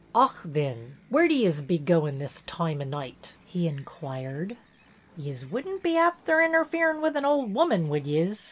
" Och, thin, where do yez be goin' this toime o' noight ?" he inquired. "Yez wouldn't be afther interferin' wit' an' ould woman, would yez